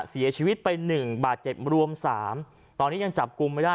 เสียชีวิตไปหนึ่งบาดเจ็บรวมสามตอนนี้ยังจับกลุ่มไม่ได้